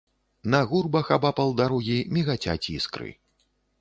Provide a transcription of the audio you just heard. На гурбах абапал дарогі мігацяць іскры.